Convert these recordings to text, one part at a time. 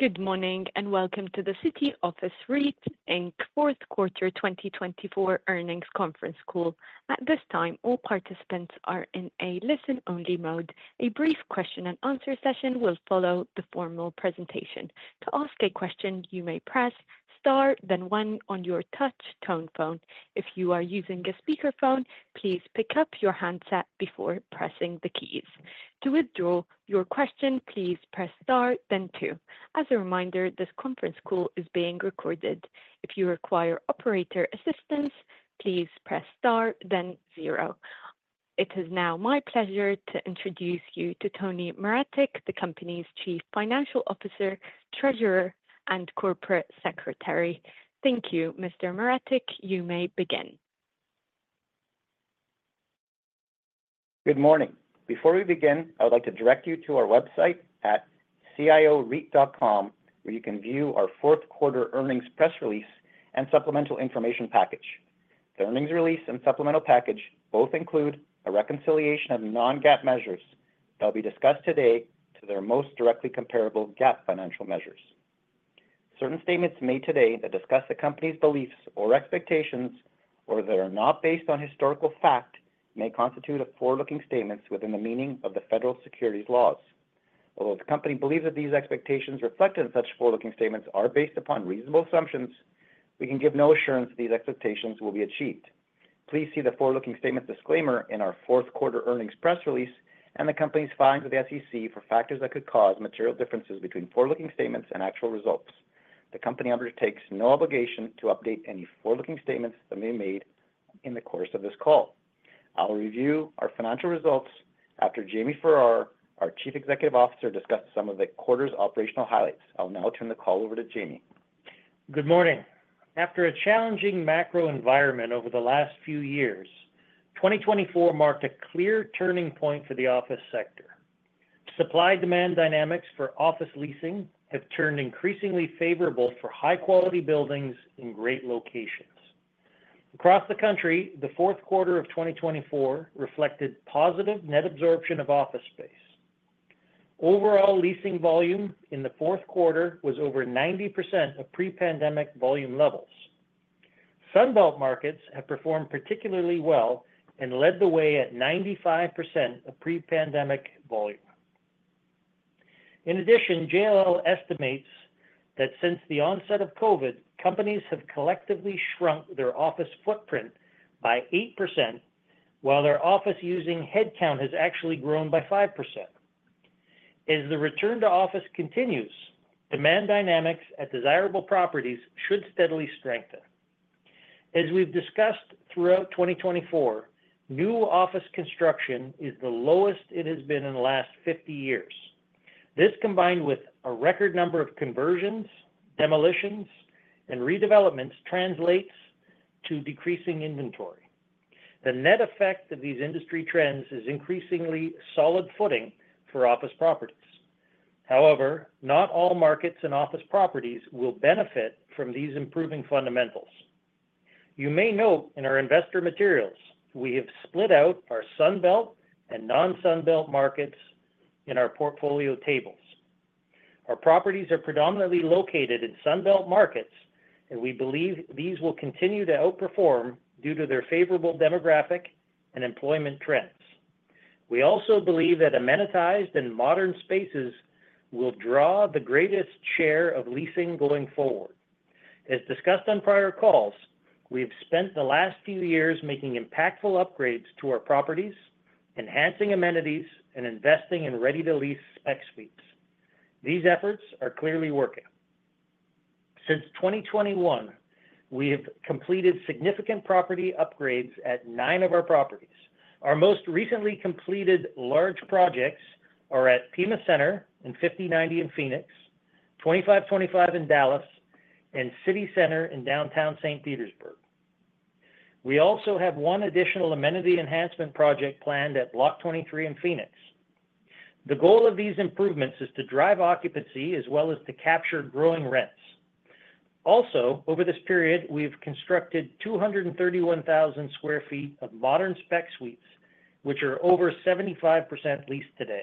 Good morning and welcome to the City Office REIT Fourth Quarter 2024 Earnings Conference Call. At this time, all participants are in a listen-only mode. A brief question-and-answer session will follow the formal presentation. To ask a question, you may press star, then one on your touch-tone phone. If you are using a speakerphone, please pick up your handset before pressing the keys. To withdraw your question, please press star, then two. As a reminder, this conference call is being recorded. If you require operator assistance, please press star, then zero. It is now my pleasure to introduce you to Tony Maretic, the company's Chief Financial Officer, Treasurer, and Corporate Secretary. Thank you, Mr. Maretic. You may begin. Good morning. Before we begin, I would like to direct you to our website at cioreit.com, where you can view our fourth quarter earnings press release and supplemental information package. The earnings release and supplemental package both include a reconciliation of non-GAAP measures that will be discussed today to their most directly comparable GAAP financial measures. Certain statements made today that discuss the company's beliefs or expectations, or that are not based on historical fact, may constitute a forward-looking statement within the meaning of the federal securities laws. Although the company believes that these expectations reflected in such forward-looking statements are based upon reasonable assumptions, we can give no assurance that these expectations will be achieved. Please see the forward-looking statement disclaimer in our fourth quarter earnings press release and the company's filings with the SEC for factors that could cause material differences between forward-looking statements and actual results. The company undertakes no obligation to update any forward-looking statements that may be made in the course of this call. I'll review our financial results after Jamie Farrar, our Chief Executive Officer, discussed some of the quarter's operational highlights. I'll now turn the call over to Jamie. Good morning. After a challenging macro environment over the last few years, 2024 marked a clear turning point for the office sector. Supply-demand dynamics for office leasing have turned increasingly favorable for high-quality buildings in great locations. Across the country, the fourth quarter of 2024 reflected positive net absorption of office space. Overall leasing volume in the fourth quarter was over 90% of pre-pandemic volume levels. Sunbelt markets have performed particularly well and led the way at 95% of pre-pandemic volume. In addition, JLL estimates that since the onset of COVID, companies have collectively shrunk their office footprint by 8%, while their office-using headcount has actually grown by 5%. As the return to office continues, demand dynamics at desirable properties should steadily strengthen. As we've discussed throughout 2024, new office construction is the lowest it has been in the last 50 years. This, combined with a record number of conversions, demolitions, and redevelopments, translates to decreasing inventory. The net effect of these industry trends is increasingly solid footing for office properties. However, not all markets in office properties will benefit from these improving fundamentals. You may note in our investor materials, we have split out our Sunbelt and non-Sunbelt markets in our portfolio tables. Our properties are predominantly located in Sunbelt markets, and we believe these will continue to outperform due to their favorable demographic and employment trends. We also believe that amenitized and modern spaces will draw the greatest share of leasing going forward. As discussed on prior calls, we have spent the last few years making impactful upgrades to our properties, enhancing amenities, and investing in ready-to-lease spec suites. These efforts are clearly working. Since 2021, we have completed significant property upgrades at nine of our properties. Our most recently completed large projects are at Pima Center and 5090 in Phoenix, 2525 in Dallas, and City Center in downtown St. Petersburg. We also have one additional amenity enhancement project planned at Block 23 in Phoenix. The goal of these improvements is to drive occupancy as well as to capture growing rents. Also, over this period, we have constructed 231,000 sq ft of modern spec suites, which are over 75% leased today.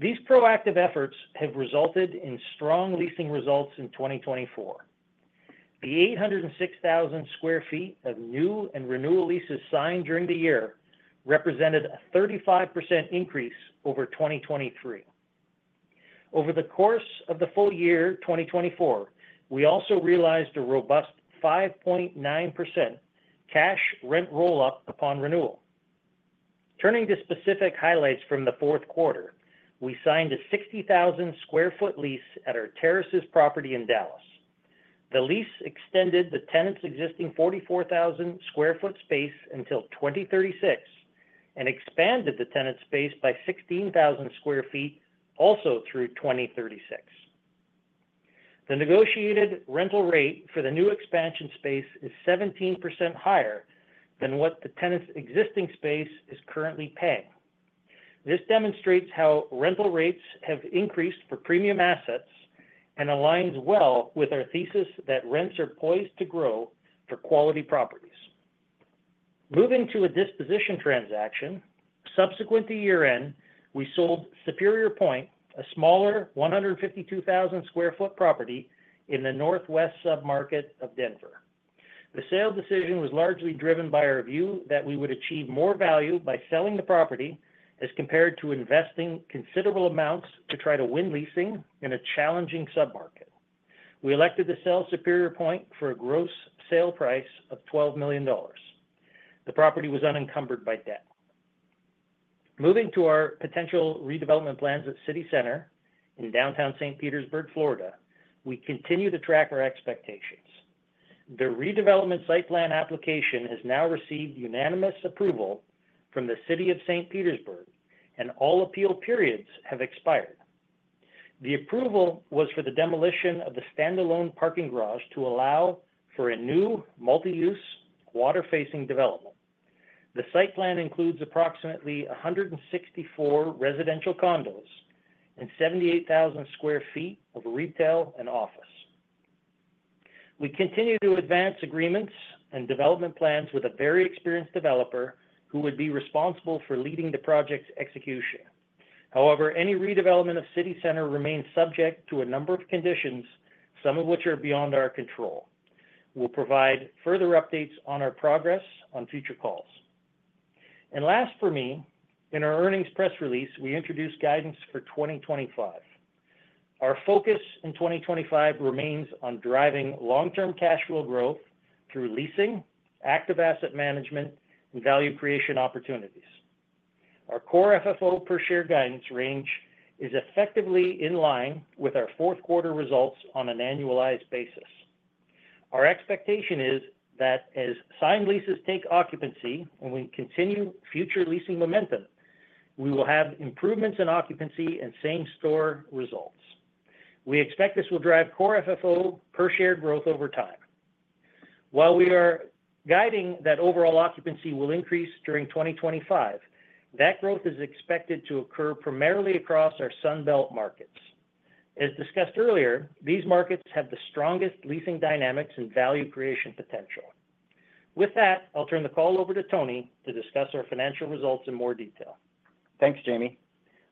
These proactive efforts have resulted in strong leasing results in 2024. The 806,000 sq ft of new and renewal leases signed during the year represented a 35% increase over 2023. Over the course of the full year 2024, we also realized a robust 5.9% cash rent roll-up upon renewal. Turning to specific highlights from the fourth quarter, we signed a 60,000 sq ft lease at our Terraces property in Dallas. The lease extended the tenant's existing 44,000 sq ft space until 2036 and expanded the tenant space by 16,000 sq ft also through 2036. The negotiated rental rate for the new expansion space is 17% higher than what the tenant's existing space is currently paying. This demonstrates how rental rates have increased for premium assets and aligns well with our thesis that rents are poised to grow for quality properties. Moving to a disposition transaction, subsequent to year-end, we sold Superior Pointe a smaller 152,000 sq ft property in the northwest submarket of Denver. The sale decision was largely driven by our view that we would achieve more value by selling the property as compared to investing considerable amounts to try to win leasing in a challenging submarket. We elected to sell Superior Pointe for a gross sale price of $12 million. The property was unencumbered by debt. Moving to our potential redevelopment plans at City Center in downtown St. Petersburg, Florida, we continue to track our expectations. The redevelopment site plan application has now received unanimous approval from the City of St. Petersburg, and all appeal periods have expired. The approval was for the demolition of the standalone parking garage to allow for a new multi-use water-facing development. The site plan includes approximately 164 residential condos and 78,000 sq ft of retail and office. We continue to advance agreements and development plans with a very experienced developer who would be responsible for leading the project's execution. However, any redevelopment of City Center remains subject to a number of conditions, some of which are beyond our control. We will provide further updates on our progress on future calls. Last for me, in our earnings press release, we introduced guidance for 2025. Our focus in 2025 remains on driving long-term cash flow growth through leasing, active asset management, and value creation opportunities. Our core FFO per share guidance range is effectively in line with our fourth quarter results on an annualized basis. Our expectation is that as signed leases take occupancy and we continue future leasing momentum, we will have improvements in occupancy and same-store results. We expect this will drive core FFO per share growth over time. While we are guiding that overall occupancy will increase during 2025, that growth is expected to occur primarily across our Sunbelt markets. As discussed earlier, these markets have the strongest leasing dynamics and value creation potential. With that, I'll turn the call over to Tony to discuss our financial results in more detail. Thanks, Jamie.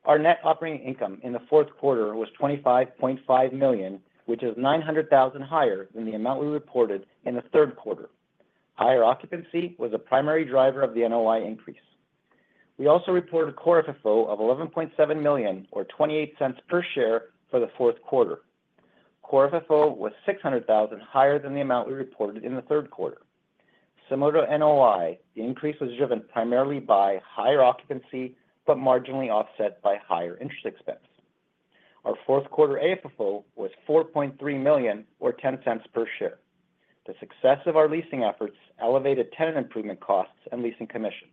Our net operating income in the fourth quarter was $25.5 million, which is $900,000 higher than the amount we reported in the third quarter. Higher occupancy was a primary driver of the NOI increase. We also reported core FFO of $11.7 million, or $0.28 per share, for the fourth quarter. Core FFO was $600,000 higher than the amount we reported in the third quarter. Similar to NOI, the increase was driven primarily by higher occupancy but marginally offset by higher interest expense. Our fourth quarter AFFO was $4.3 million, or $0.10 per share. The success of our leasing efforts elevated tenant improvement costs and leasing commissions.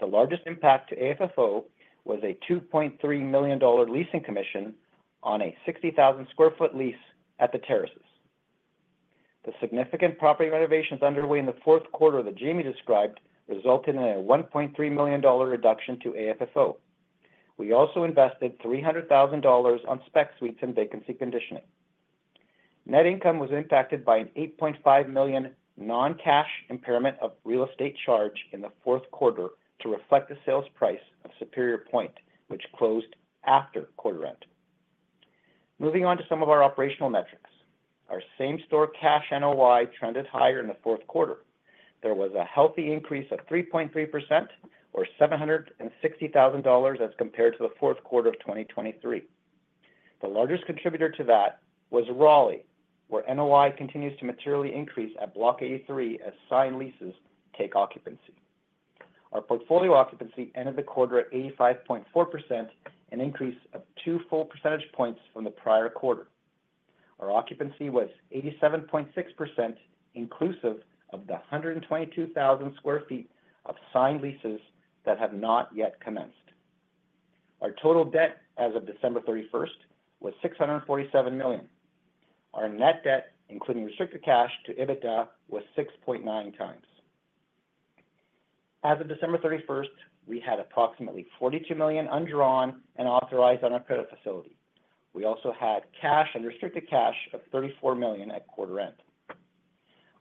The largest impact to AFFO was a $2.3 million leasing commission on a 60,000 sq ft lease at The Terraces. The significant property renovations underway in the fourth quarter that Jamie described resulted in a $1.3 million reduction to AFFO. We also invested $300,000 on spec suites and vacancy conditioning. Net income was impacted by an $8.5 million non-cash impairment of real estate charge in the fourth quarter to reflect the sales price of Superior Pointe, which closed after quarter end. Moving on to some of our operational metrics. Our same-store cash NOI trended higher in the fourth quarter. There was a healthy increase of 3.3%, or $760,000, as compared to the fourth quarter of 2023. The largest contributor to that was Raleigh, where NOI continues to materially increase at Block 83 as signed leases take occupancy. Our portfolio occupancy ended the quarter at 85.4%, an increase of two full percentage points from the prior quarter. Our occupancy was 87.6% inclusive of the 122,000 sq ft of signed leases that have not yet commenced. Our total debt as of December 31 was $647 million. Our net debt, including restricted cash to EBITDA, was 6.9x. As of December 31, we had approximately $42 million undrawn and authorized on our credit facility. We also had cash and restricted cash of $34 million at quarter end.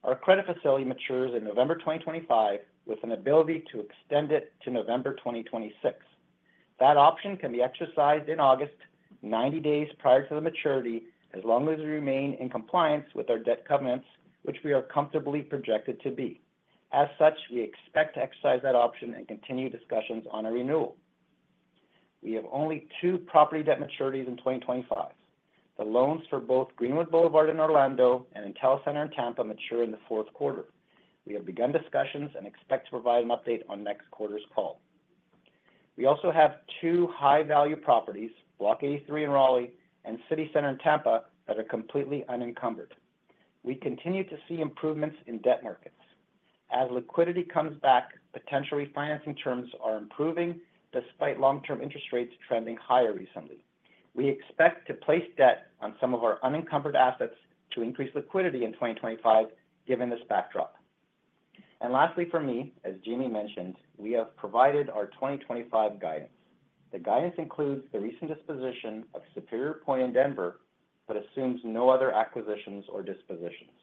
Our credit facility matures in November 2025 with an ability to extend it to November 2026. That option can be exercised in August, 90 days prior to the maturity, as long as we remain in compliance with our debt covenants, which we are comfortably projected to be. As such, we expect to exercise that option and continue discussions on a renewal. We have only two property debt maturities in 2025. The loans for both Greenwood Boulevard in Orlando and IntelliCenter in Tampa mature in the fourth quarter. We have begun discussions and expect to provide an update on next quarter's call. We also have two high-value properties, Block 83 in Raleigh and City Center in Tampa, that are completely unencumbered. We continue to see improvements in debt markets. As liquidity comes back, potential refinancing terms are improving despite long-term interest rates trending higher recently. We expect to place debt on some of our unencumbered assets to increase liquidity in 2025, given this backdrop. Lastly, for me, as Jamie mentioned, we have provided our 2025 guidance. The guidance includes the recent disposition of Superior Pointe in Denver but assumes no other acquisitions or dispositions.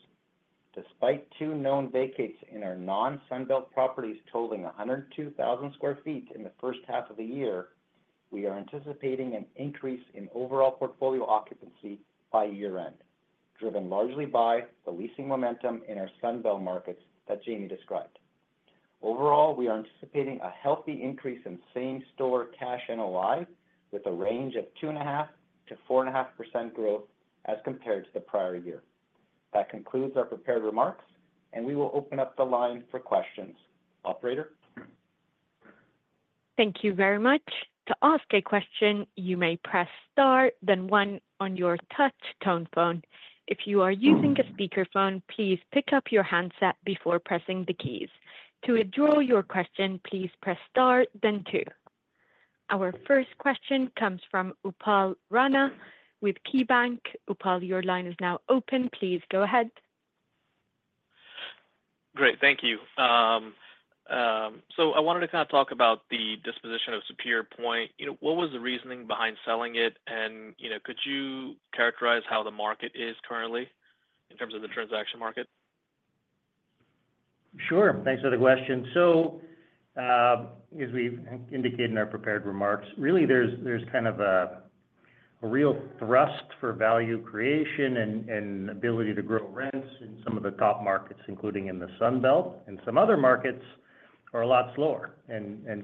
Despite two known vacates in our non-Sunbelt properties totaling 102,000 sq ft in the first half of the year, we are anticipating an increase in overall portfolio occupancy by year-end, driven largely by the leasing momentum in our Sunbelt markets that Jamie described. Overall, we are anticipating a healthy increase in same-store cash NOI with a range of 2.5%-4.5% growth as compared to the prior year. That concludes our prepared remarks, and we will open up the line for questions. Operator. Thank you very much. To ask a question, you may press star, then one on your touch tone phone. If you are using a speakerphone, please pick up your handset before pressing the keys. To withdraw your question, please press star, then two. Our first question comes from Upal Rana with KeyBanc. Upal, your line is now open. Please go ahead. Great. Thank you. I wanted to kind of talk about the disposition of Superior Pointe. What was the reasoning behind selling it? Could you characterize how the market is currently in terms of the transaction market? Sure. Thanks for the question. As we've indicated in our prepared remarks, really, there's kind of a real thrust for value creation and ability to grow rents in some of the top markets, including in the Sunbelt. Some other markets are a lot slower.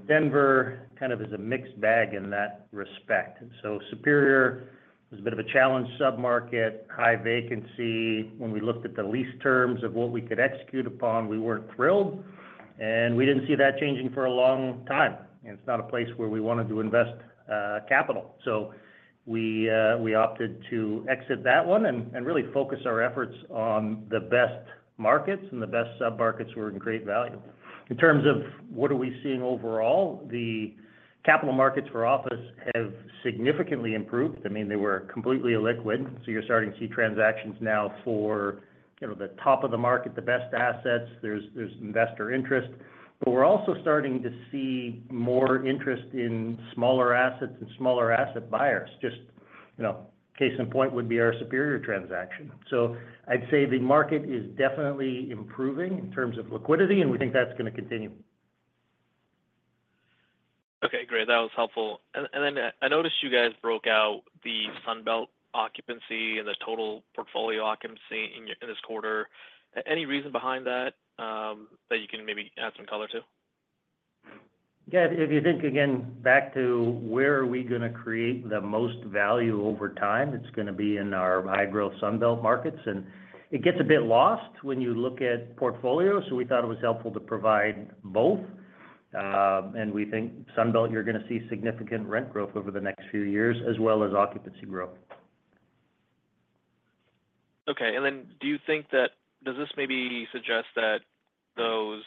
Denver kind of is a mixed bag in that respect. Superior was a bit of a challenge submarket, high vacancy. When we looked at the lease terms of what we could execute upon, we weren't thrilled. We didn't see that changing for a long time. It's not a place where we wanted to invest capital. We opted to exit that one and really focus our efforts on the best markets and the best submarkets where we're in great value. In terms of what are we seeing overall, the capital markets for office have significantly improved. I mean, they were completely illiquid. You are starting to see transactions now for the top of the market, the best assets. There is investor interest. You are also starting to see more interest in smaller assets and smaller asset buyers. Just case in point would be our Superior transaction. I would say the market is definitely improving in terms of liquidity, and we think that is going to continue. Okay. Great. That was helpful. I noticed you guys broke out the Sunbelt occupancy and the total portfolio occupancy in this quarter. Any reason behind that that you can maybe add some color to? Yeah. If you think again back to where are we going to create the most value over time, it's going to be in our high-growth Sunbelt markets. It gets a bit lost when you look at portfolio. We thought it was helpful to provide both. We think Sunbelt, you're going to see significant rent growth over the next few years, as well as occupancy growth. Okay. Do you think that does this maybe suggest that those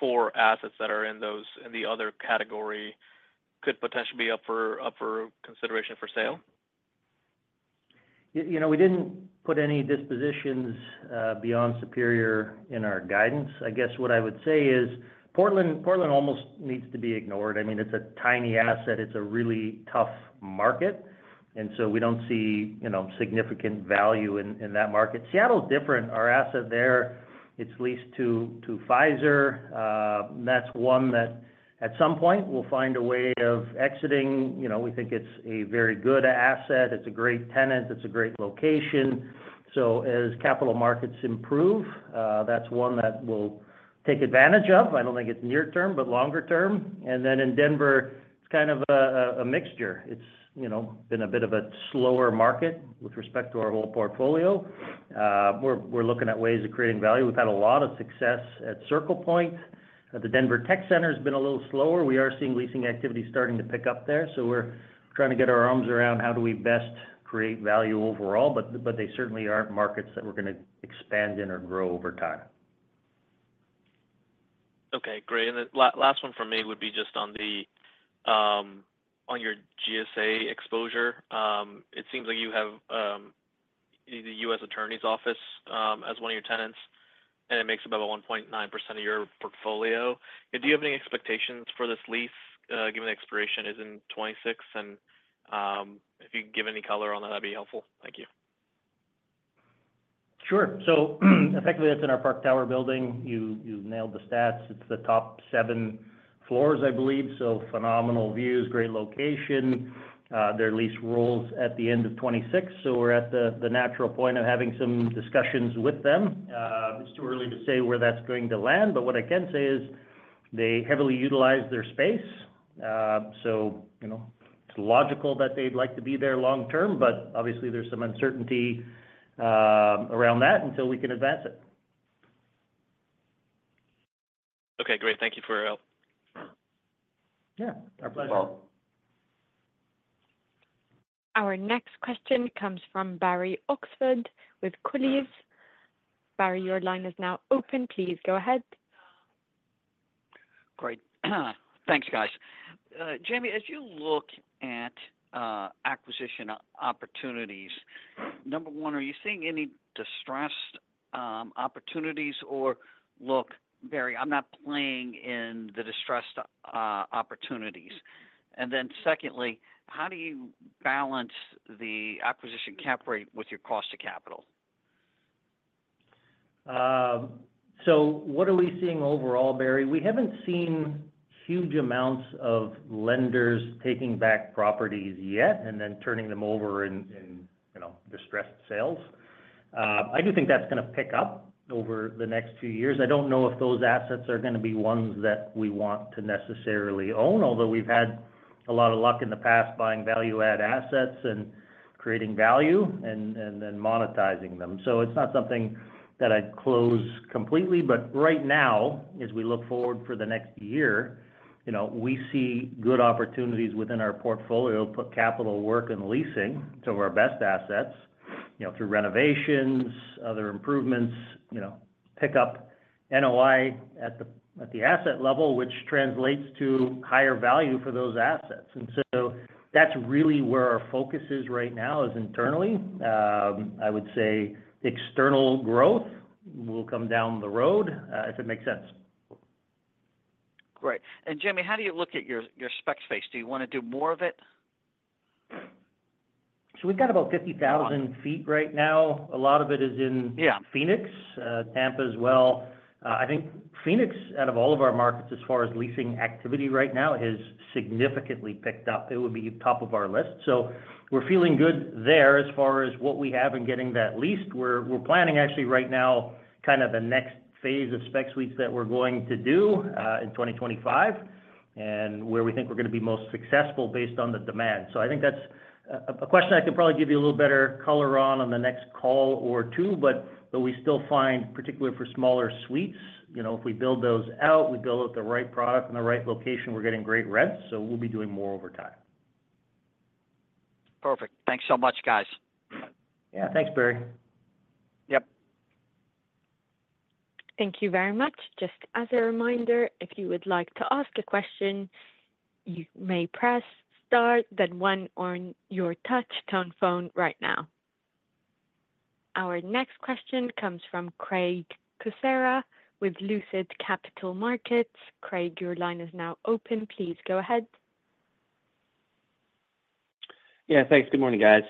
four assets that are in the other category could potentially be up for consideration for sale? We didn't put any dispositions beyond Superior in our guidance. I guess what I would say is Portland almost needs to be ignored. I mean, it's a tiny asset. It's a really tough market. And so we don't see significant value in that market. Seattle's different. Our asset there, it's leased to Pfizer. That's one that at some point we'll find a way of exiting. We think it's a very good asset. It's a great tenant. It's a great location. As capital markets improve, that's one that we'll take advantage of. I don't think it's near-term, but longer-term. In Denver, it's kind of a mixture. It's been a bit of a slower market with respect to our whole portfolio. We're looking at ways of creating value. We've had a lot of success at Circle Point. The Denver Tech Center has been a little slower. We are seeing leasing activity starting to pick up there. We are trying to get our arms around how do we best create value overall. They certainly are not markets that we are going to expand in or grow over time. Okay. Great. The last one for me would be just on your GSA exposure. It seems like you have the U.S. Attorney's Office as one of your tenants, and it makes up about 1.9% of your portfolio. Do you have any expectations for this lease, given the expiration is in 2026? If you can give any color on that, that would be helpful. Thank you. Sure. So effectively, that's in our Park Tower building. You nailed the stats. It's the top seven floors, I believe. Phenomenal views, great location. They're leased through the end of 2026. We're at the natural point of having some discussions with them. It's too early to say where that's going to land. What I can say is they heavily utilize their space. It's logical that they'd like to be there long-term. Obviously, there's some uncertainty around that until we can advance it. Okay. Great. Thank you for your help. Yeah. Our pleasure. Our next question comes from Barry Oxford with Colliers. Barry, your line is now open. Please go ahead. Great. Thanks, guys. Jamie, as you look at acquisition opportunities, number one, are you seeing any distressed opportunities or look, Barry, I'm not playing in the distressed opportunities? Secondly, how do you balance the acquisition cap rate with your cost of capital? What are we seeing overall, Barry? We haven't seen huge amounts of lenders taking back properties yet and then turning them over in distressed sales. I do think that's going to pick up over the next few years. I don't know if those assets are going to be ones that we want to necessarily own, although we've had a lot of luck in the past buying value-add assets and creating value and then monetizing them. It's not something that I'd close completely. Right now, as we look forward for the next year, we see good opportunities within our portfolio to put capital to work and leasing to our best assets through renovations, other improvements, pick up NOI at the asset level, which translates to higher value for those assets. That's really where our focus is right now, is internally. I would say external growth will come down the road, if it makes sense. Great. Jamie, how do you look at your spec space? Do you want to do more of it? We've got about 50,000 sq ft right now. A lot of it is in Phoenix, Tampa as well. I think Phoenix, out of all of our markets, as far as leasing activity right now, has significantly picked up. It would be top of our list. We're feeling good there as far as what we have and getting that leased. We're planning, actually, right now, kind of the next phase of spec suites that we're going to do in 2025 and where we think we're going to be most successful based on the demand. I think that's a question I could probably give you a little better color on on the next call or two. We still find, particularly for smaller suites, if we build those out, we build out the right product in the right location, we're getting great rents. We'll be doing more over time. Perfect. Thanks so much, guys. Yeah. Thanks, Barry. Yep. Thank you very much. Just as a reminder, if you would like to ask a question, you may press star, then one on your touch tone phone right now. Our next question comes from Craig Kucera with Lucid Capital Markets. Craig, your line is now open. Please go ahead. Yeah. Thanks. Good morning, guys.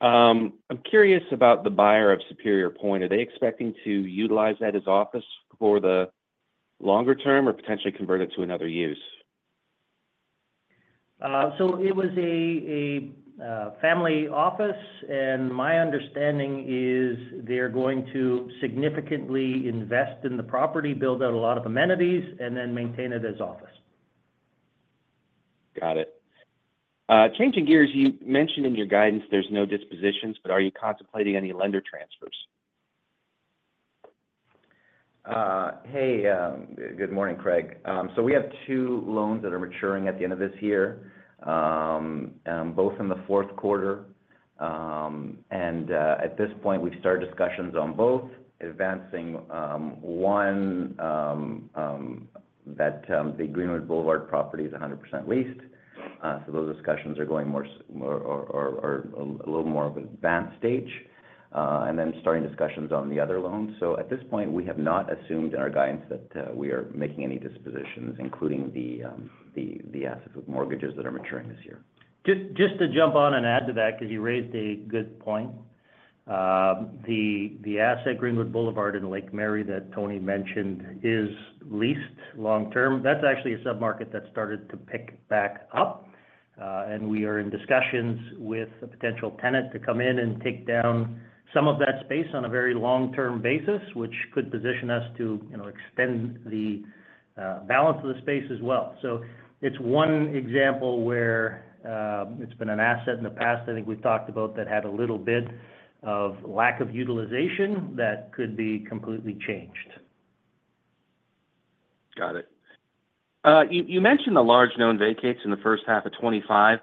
I'm curious about the buyer of Superior Pointe. Are they expecting to utilize that as office for the longer term or potentially convert it to another use? It was a family office. My understanding is they're going to significantly invest in the property, build out a lot of amenities, and then maintain it as office. Got it. Changing gears, you mentioned in your guidance there's no dispositions, but are you contemplating any lender transfers? Hey. Good morning, Craig. We have two loans that are maturing at the end of this year, both in the fourth quarter. At this point, we've started discussions on both, advancing one that the Greenwood Boulevard property is 100% leased. Those discussions are going a little more of an advanced stage and then starting discussions on the other loans. At this point, we have not assumed in our guidance that we are making any dispositions, including the assets with mortgages that are maturing this year. Just to jump on and add to that because you raised a good point, the asset Greenwood Boulevard in Lake Mary that Tony mentioned is leased long-term. That's actually a submarket that started to pick back up. We are in discussions with a potential tenant to come in and take down some of that space on a very long-term basis, which could position us to extend the balance of the space as well. It is one example where it has been an asset in the past. I think we have talked about that had a little bit of lack of utilization that could be completely changed. Got it. You mentioned the large known vacates in the first half of 2025.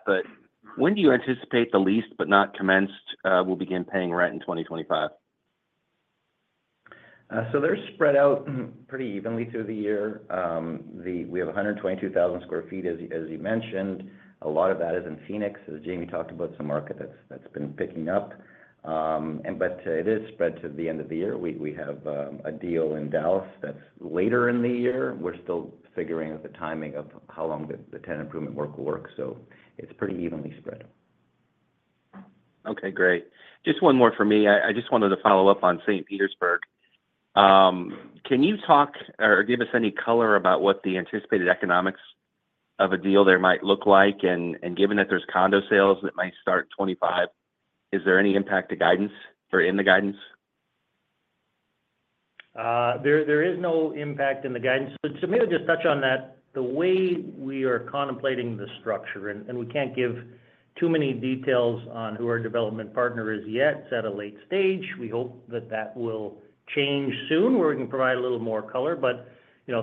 When do you anticipate the leased but not commenced will begin paying rent in 2025? They're spread out pretty evenly through the year. We have 122,000 sq ft, as you mentioned. A lot of that is in Phoenix, as Jamie talked about, some market that's been picking up. It is spread to the end of the year. We have a deal in Dallas that's later in the year. We're still figuring out the timing of how long the tenant improvement work will work. It is pretty evenly spread. Okay. Great. Just one more for me. I just wanted to follow up on St. Petersburg. Can you talk or give us any color about what the anticipated economics of a deal there might look like? Given that there's condo sales that might start 2025, is there any impact to guidance or in the guidance? There is no impact in the guidance. Maybe just touch on that. The way we are contemplating the structure, and we can't give too many details on who our development partner is yet. It's at a late stage. We hope that that will change soon where we can provide a little more color.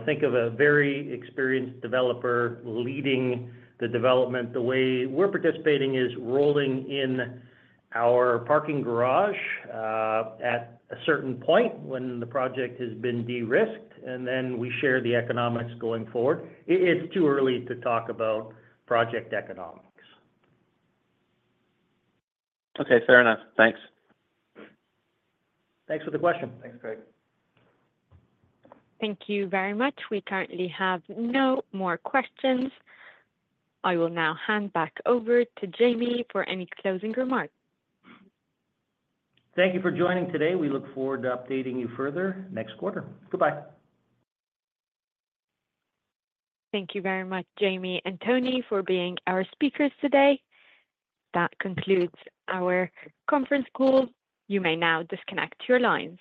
Think of a very experienced developer leading the development. The way we're participating is rolling in our parking garage at a certain point when the project has been de-risked, and then we share the economics going forward. It's too early to talk about project economics. Okay. Fair enough. Thanks. Thanks for the question. Thanks, Craig. Thank you very much. We currently have no more questions. I will now hand back over to Jamie for any closing remarks. Thank you for joining today. We look forward to updating you further next quarter. Goodbye. Thank you very much, Jamie and Tony, for being our speakers today. That concludes our conference call. You may now disconnect your lines.